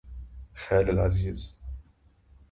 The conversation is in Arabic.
خالي العزيز